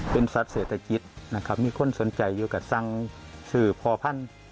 เป็นสัตว์เศรษฐกิจนะครับมีคนสนใจอยู่กับสังสื่อพ่อพันธุ์